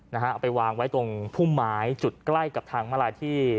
เอาไปวางไว้ตรงพุ่มไม้จุดใกล้กับทางมาลายที่